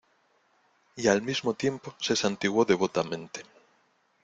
y al mismo tiempo se santiguó devotamente.